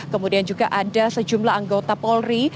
kemudian juga ada sejumlah anggota polri